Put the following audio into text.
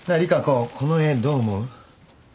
この絵どう思う？